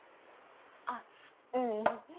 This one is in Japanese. あっううん。